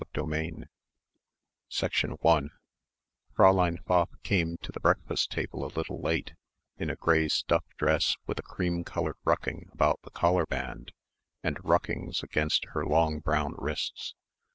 CHAPTER VI 1 Fräulein Pfaff came to the breakfast table a little late in a grey stuff dress with a cream coloured ruching about the collar band and ruchings against her long brown wrists.